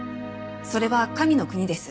それは神の国です。